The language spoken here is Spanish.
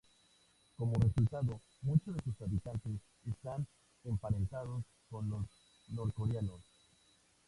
Como resultado, muchos de sus habitantes están emparentados con los norcoreanos.